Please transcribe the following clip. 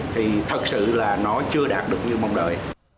thì thật sự là nó chưa đạt được như mong đợi